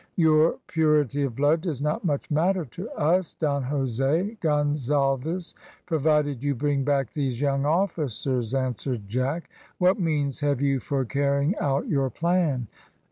"Your purity of blood does not much matter to us, Don Jose Gonzalves, provided you bring back these young officers," answered Jack. "What means have you for carrying out your plan?"